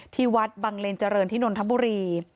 ที่วัดบังเรนเจริญธินวนธมบุรี